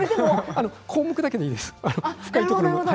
項目だけでいいんです。